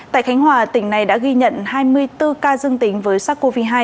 tại khánh hòa tỉnh này đã ghi nhận hai mươi bốn ca dương tính với sars cov hai